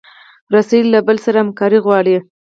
رسۍ له بل سره همکاري غواړي.